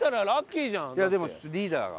いやでもリーダーが。